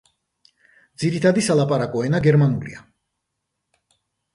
ძირითადი სალაპარაკო ენა გერმანულია.